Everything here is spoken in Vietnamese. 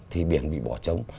thì biển bị bỏ trống